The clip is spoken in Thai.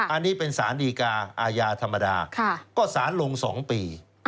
อันนี้เป็นสารดีกาอาญาธรรมดาก็สารลง๒ปี